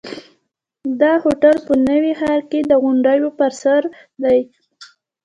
دا هوټل په نوي ښار کې د غونډیو پر سر دی.